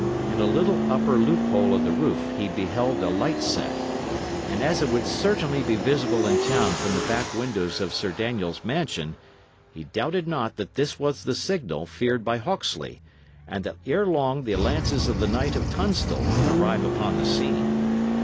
In a little upper loophole of the roof he beheld a light set; and as it would certainly be visible in town from the back windows of Sir Daniel's mansion, he doubted not that this was the signal feared by Hawksley, and that ere long the lances of the Knight of Tunstall would arrive upon the scene.